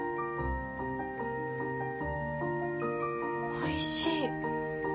おいしい。